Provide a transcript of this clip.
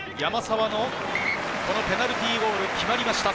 山沢のペナルティーゴール、決まりました！